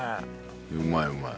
うまいうまい。